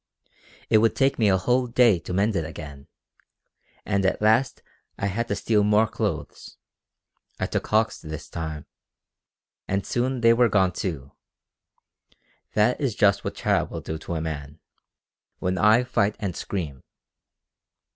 "It would take me a whole day to mend it again, and at last I had to steal more clothes. I took Hauck's this time. And soon they were gone, too. That is just what Tara will do to a man when I fight and scream!"